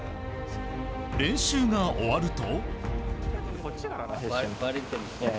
練習が終わると。